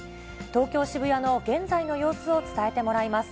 東京・渋谷の現在の様子を伝えてもらいます。